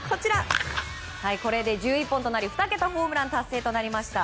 これで１１本となり２桁ホームラン達成となりました。